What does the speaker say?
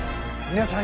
皆さん